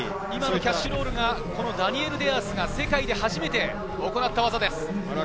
キャッシュロールはダニエル・デアースが初めて世界で行った技です。